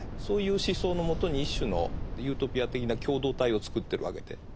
そういう思想の下に一種のユートピア的な共同体をつくってるわけで。